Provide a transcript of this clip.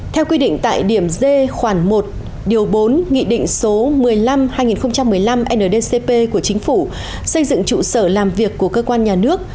theo quy định tại điểm d khoản một điều bốn nghị định số một mươi năm hai nghìn một mươi năm ndcp của chính phủ xây dựng trụ sở làm việc của cơ quan nhà nước